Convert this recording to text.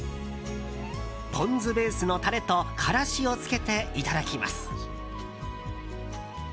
ポン酢ベースのタレとからしをつけていただきます。